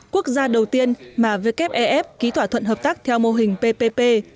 quốc gia đầu tiên mà wef ký thỏa thuận hợp tác theo mô hình ppp